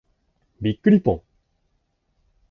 びっくりぽん。